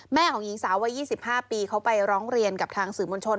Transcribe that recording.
ของหญิงสาววัย๒๕ปีเขาไปร้องเรียนกับทางสื่อมวลชน